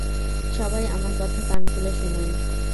সবাই আমার কথা কান খুলে শুনুন!